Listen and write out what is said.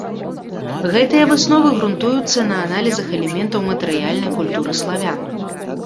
Гэтыя высновы грунтуюцца на аналізах элементаў матэрыяльнай культуры славян.